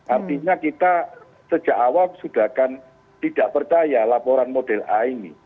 artinya kita sejak awal sudah kan tidak percaya laporan model a ini